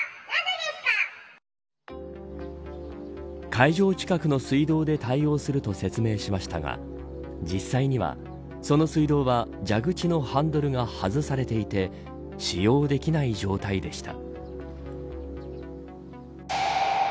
会場近くの水道で対応すると説明しましたが実際には、その水道は蛇口のハンドルが外されていて使用できない状態でした。